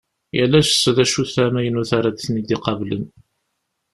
Yal ass d acu-t amaynut ara ten-id-iqablen.